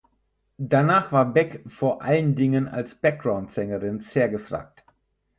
Danach war Beck vor allen Dingen als Backgroundsängerin sehr gefragt.